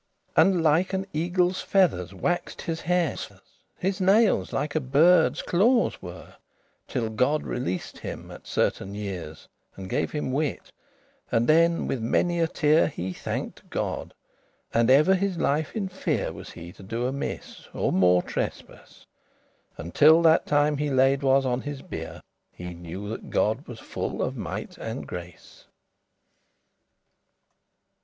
And like an eagle's feathers wax'd his hairs, His nailes like a birde's clawes were, Till God released him at certain years, And gave him wit; and then with many a tear He thanked God, and ever his life in fear Was he to do amiss, or more trespace: And till that time he laid was on his bier, He knew that God was full of might and grace.